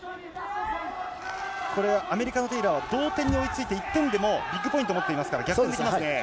これはアメリカのテイラーは同点に追いついて、１点でもビッグポイントを持っていますから、逆転できますね。